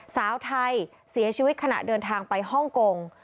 สาวไทยเสียชีวิตขณะเดินทางไปฮ่องกง